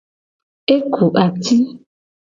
E ku ati.